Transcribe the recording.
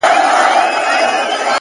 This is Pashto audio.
پرمختګ له داخلي بدلون شروع کېږي!